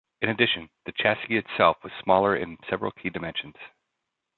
In addition, the chassis itself was smaller in several key dimensions.